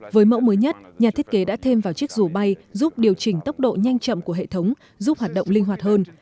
với mẫu mới nhất nhà thiết kế đã thêm vào chiếc rùa bay giúp điều chỉnh tốc độ nhanh chậm của hệ thống giúp hoạt động linh hoạt hơn